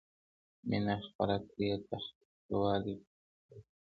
مینه خپره کړئ او تاوتریخوالی په هیڅ صورت مه منئ.